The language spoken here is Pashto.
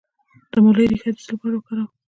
د مولی ریښه د څه لپاره وکاروم؟